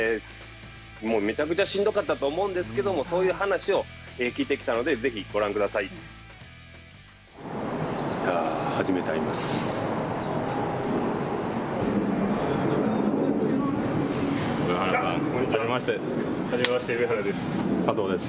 めちゃくちゃしんどかったと思うんですけどもそういう話を聞いてきたので上原さん加藤です。